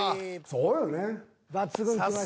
そうよね。